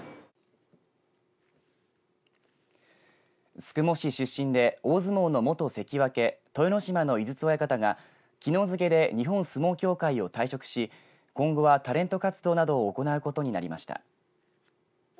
宿毛市出身で大相撲の元関脇豊ノ島の井筒親方がきのう付けで日本相撲協会を退職し今後はタレント活動などを行うことになりました。